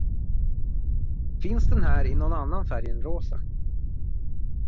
Finns den här i någon annan färg än rosa?